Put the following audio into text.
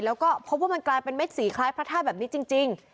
แล้วก็พบว่ามันกลายเป็นเม็ดสีคล้ายพระธาตุแบบนี้จริง